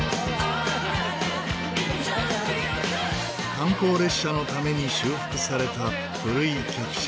観光列車のために修復された古い客車。